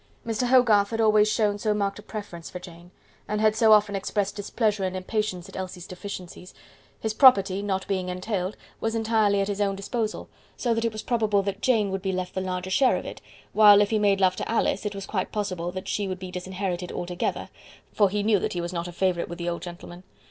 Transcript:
Mr. Hogarth had always shown so marked a preference for Jane, and had so often expressed displeasure and impatience at Elsie's deficiencies; his property, not being entailed, was entirely at his own disposal, so that it was probable that Jane would be left the larger share of it, while if he made love to Alice it was quite possible that she would be disinherited altogether, for he knew that he was not a favourite with the old gentleman.